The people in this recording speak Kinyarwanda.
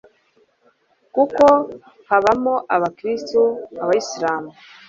kuko habamo abakristu, abayisilamu